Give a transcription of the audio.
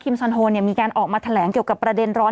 ซอนโฮมีการออกมาแถลงเกี่ยวกับประเด็นร้อน